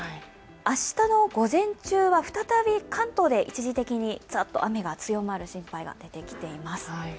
明日の午前中は再び、関東で一時的にざっと雨が強まる心配が出てきています。